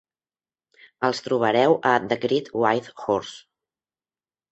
Els trobareu a "The Great White Horse".